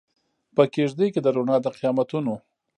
په کیږدۍ کې د روڼا د قیامتونو